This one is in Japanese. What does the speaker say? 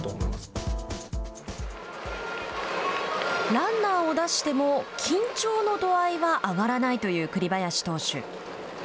ランナーを出しても緊張の度合いは上がらないという栗林投手。